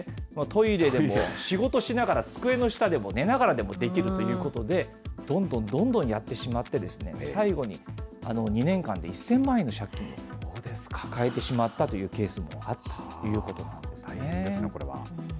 トイレでも、仕事しながら、机の下でも、寝ながらでもできるということで、どんどんどんどんやってしまって、最後に２年間で１０００万円の借金を抱えてしまったというケースもあったということなんですね。